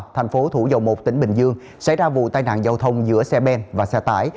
thành phố thủ dầu một tỉnh bình dương xảy ra vụ tai nạn giao thông giữa xe ben và xe tải